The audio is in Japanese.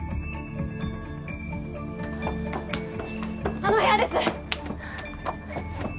あの部屋です！